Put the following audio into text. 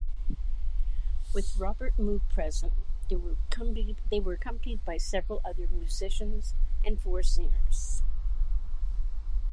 With Robert Moog present, they were accompanied by several other musicians and four singers.